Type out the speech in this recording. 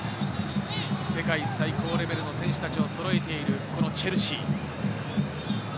世界最高レベルの選手たちをそろえている、このチェルシー。